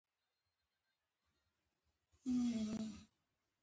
غوښتل ورځ را ورسیږي.